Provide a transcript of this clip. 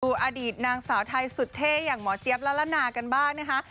อดีตนางสาวไทยสุดเท่อย่างหมอเจี๊ยบละละนากันบ้างนะคะ